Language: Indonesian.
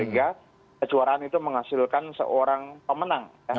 sehingga kejuaraan itu menghasilkan seorang pemenang